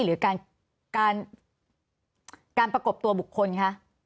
หรือการประกบตัวบุคคลคะ